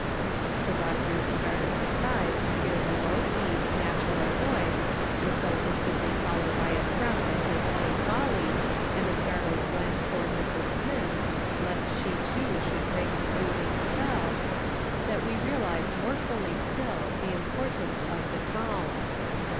The doctor's start of surprise to hear the low keyed, natural voice, was so instantly followed by a frown at his own folly, and a startled glance toward ]\Irs. Smith, lest she too should break the soothing spell, that we realised more fully still the importance of the calm.